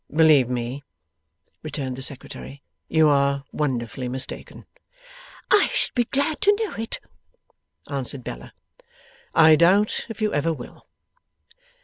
'Believe me,' returned the Secretary, 'you are wonderfully mistaken.' 'I should be glad to know it,' answered Bella. 'I doubt if you ever will.